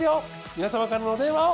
皆様からのお電話を。